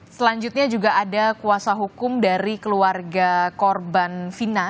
selanjutnya juga ada kuasa hukum dari keluarga korban fina